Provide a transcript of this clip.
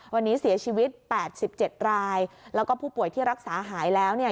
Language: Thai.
วันนี้เสียชีวิต๘๗รายแล้วก็ผู้ป่วยที่รักษาหายแล้วเนี่ย